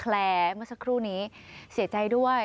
เมื่อสักครู่นี้เสียใจด้วย